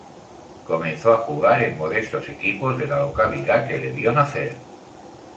Comenzó a jugar en modestos equipos de la localidad que le vio nacer.